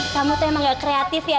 kamu tuh emang gak kreatif ya